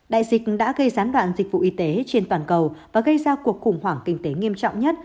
đại dịch đã gây gián đoạn dịch vụ y tế trên toàn cầu và gây ra cuộc khủng hoảng kinh tế nghiêm trọng nhất